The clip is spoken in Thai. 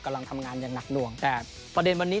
กำลังทำงานอย่างหนักหน่วงแต่ประเด็นวันนี้